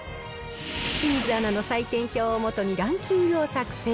清水アナの採点表を基にランキングを作成。